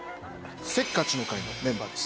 せっかちの会のメンバーです。